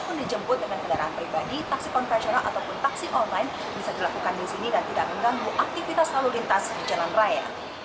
taksi konversional ataupun taksi online bisa dilakukan di sini dan tidak mengganggu aktivitas lalu lintas di jalan raya